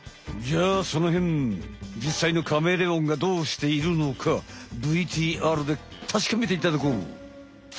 じゃあそのへんじっさいのカメレオンがどうしているのかＶＴＲでたしかめていただこう！